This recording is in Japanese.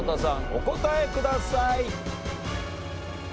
お答えください。